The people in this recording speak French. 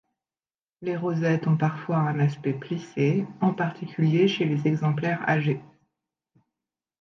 Les rosettes ont parfois un aspect plissé, en particulier chez les exemplaires âgés.